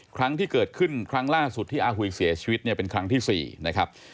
ครั้งที่เกิดขึ้นครั้งล่าสุดที่อาหุยเสียชีวิตเนี่ยเป็นครั้งที่๔นะครับ